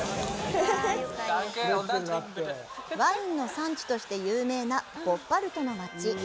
ワインの産地として有名なボッパルトの街。